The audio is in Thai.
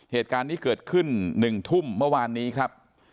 เหตุการณ์นี้เกิดขึ้น๑ทุ่มเมื่อวานนี้ครับ